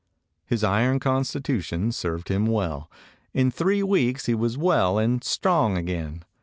His iron constitution served him well. In three weeks he was well and strong again.